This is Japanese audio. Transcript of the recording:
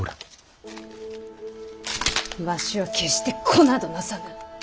わしは決して子などなさぬ。